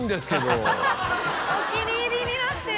お気に入りになってる。